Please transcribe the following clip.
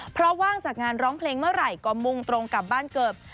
เพราะว่างจากงานร้องเพลงเมื่อไหร่ก็มุ่งตรงกลับบ้านเกือบ